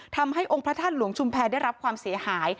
ทำให้องค์พระธาตุหลวงชุมแพรได้รับความเสียหาย